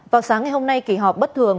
vào sáng ngày hôm nay kỳ họp bất thường